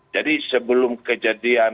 jadi sebelum kejadian